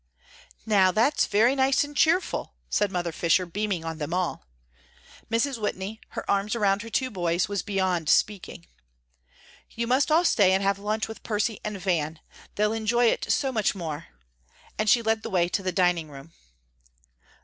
"Now that's very nice and cheerful," said Mother Fisher, beaming on them all. Mrs. Whitney, her arms around her two boys, was beyond speaking. "You must all stay and have luncheon with Percy and Van; they'll enjoy it so much more," and she led the way to the dining room.